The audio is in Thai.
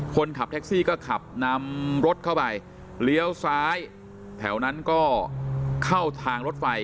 คนขับแท็กซี่ก็ขับนำรถเข้าไปเลี้ยวซ้ายแถวนั้นก็เข้าทางรถไฟ